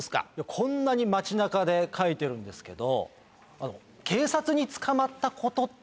こんなに町中で描いてるんですけど。